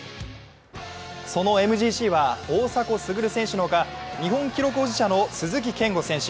そのＭＧＣは大迫傑選手のほか、日本記録保持者の鈴木健吾選手